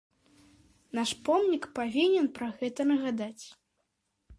Наш помнік павінен пра гэта нагадаць.